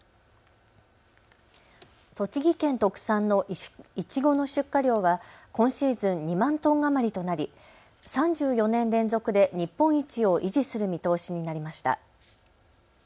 栃木県特産のいちごの出荷量は今シーズン２万トン余りとなり３４年連続で日本一を維持する見通しになりました。